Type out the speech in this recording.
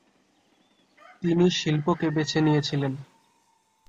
তিনি শিল্পকে বেছে নিয়েছিলেন।